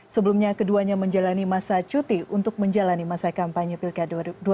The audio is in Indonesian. sebelumnya keduanya menjalani masa cuti untuk menjalani masa kampanye pilkada dua ribu delapan belas